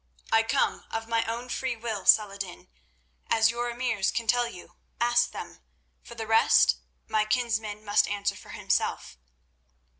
"I come of my own free will, Salah ed din, as your emirs can tell you; ask them. For the rest, my kinsman must answer for himself."